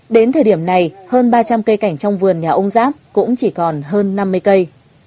đến thời điểm này hơn ba trăm linh cây cảnh trong vườn nhà ông giáp cũng chỉ còn hơn năm mươi cây